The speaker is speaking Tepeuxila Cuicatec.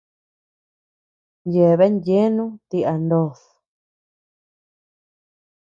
Yeabean yeanu ti a ndod.